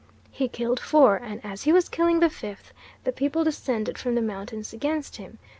He killed four, and as he was killing the fifth, the people descended from the mountains against him.